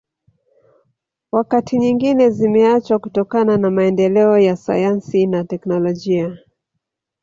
Wakati nyingine zimeachwa kutokana na maendeleo ya sayansi na teknolojia